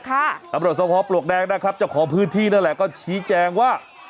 ตำรวจสมภาพปลวกแดงนะครับเจ้าของพื้นที่นั่นแหละก็ชี้แจงว่า